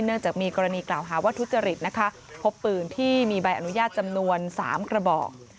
จากมีกรณีกล่าวหาว่าทุจริตนะคะพบปืนที่มีใบอนุญาตจำนวน๓กระบอก